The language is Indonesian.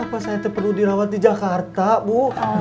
apa saya itu perlu dirawat di jakarta bu